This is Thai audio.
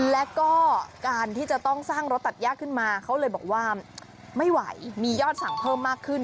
แล้วก็การที่จะต้องสร้างรถตัดยากขึ้นมาเขาเลยบอกว่าไม่ไหวมียอดสั่งเพิ่มมากขึ้น